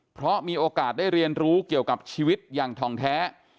เพราะมีโอกาสได้เรียนรู้เกี่ยวกับชีวิตอย่างทองแท้